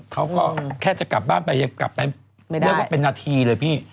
เขาก็แค่จะกลับบ้านไปยังกลับไปเรียกว่าเป็นนาทีเลยพี่